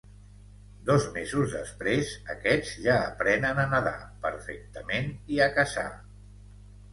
Dos mesos després, aquests ja aprenen a nedar perfectament i a caçar.